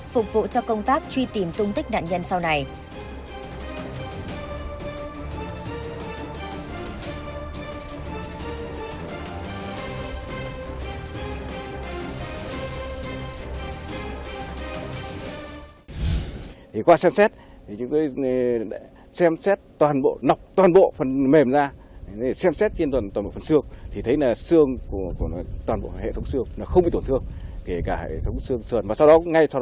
phục vụ cho công tác truy tìm tung tích nạn nhân sau này